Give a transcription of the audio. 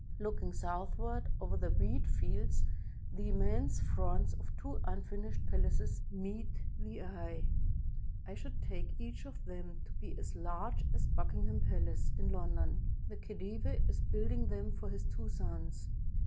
Looking south ward over the wheat fields, the immense fronts of two imfinished palaces meet the eye: I should take each of them to be as large as Buckingham Palace, in London. The ELhedive is building them for his two sons.